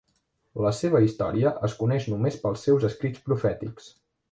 La seva història es coneix només pels seus escrits profètics.